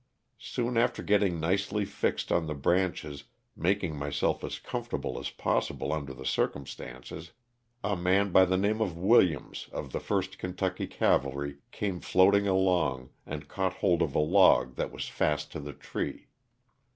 Soon after getting nicely fixed on the branches, making myself as comfortable as pos sible under the circumstances, a man by the name of Williams, of the 1st Kentucky Cavalry, came floating along and caught hold of a log that was fast to the tree.